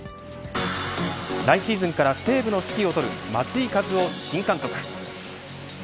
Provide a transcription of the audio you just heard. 来シーズンから西武の指揮を執る松井稼頭央新監督。